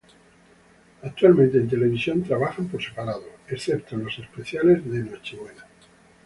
Actualmente, en televisión, trabajan por separado, excepto en los especiales de Nochebuena.